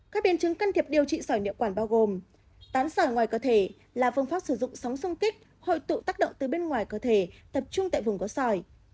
các biến chứng can thiệp điều trị sỏi niệm quản bao gồm tán sỏi ngoài cơ thể là phương pháp sử dụng sóng sung kích hội tụ tác động từ bên ngoài cơ thể tập trung tại vùng có sỏi